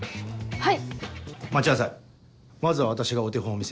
はい。